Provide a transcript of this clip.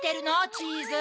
チーズ。